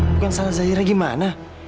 bukan salah zaira gimana